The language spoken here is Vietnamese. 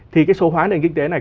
thì cái số hóa nền kinh tế này